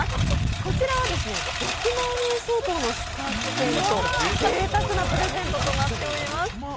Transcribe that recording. こちらは６万円相当のぜいたくなプレゼントとなっております。